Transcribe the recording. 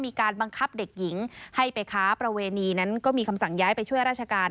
มีการบังคับเด็กหญิงให้ไปค้าประเวณีนั้นก็มีคำสั่งย้ายไปช่วยราชการ